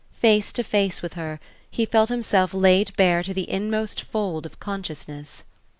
Face to face with her, he felt himself laid bare to the inmost fold of consciousness.